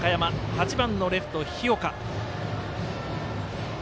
８番のレフト、日岡。